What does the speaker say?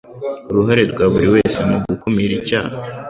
Uruhare rwa buri wese mu gukumira icyaha